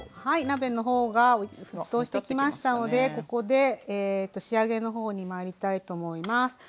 はい鍋の方が沸騰してきましたのでここで仕上げの方にまいりたいと思います。